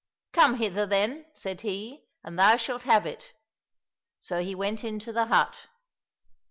—'' Come hither then," said he, *' and thou shalt have it." So he went into the hut.